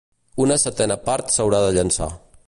Una setena part s'haurà de llençar.